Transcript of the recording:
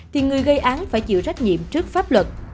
thì người gây án phải chịu trách nhiệm trước pháp luật